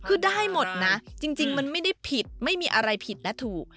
คือได้หมดนะจริงมันไม่ได้ผิดไม่มีอะไรผิดและถูก